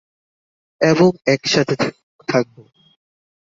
এবং একসাথে থাকবো।